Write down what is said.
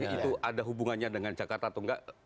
itu ada hubungannya dengan jakarta atau nggak